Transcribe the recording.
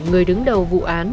người đứng đầu vụ án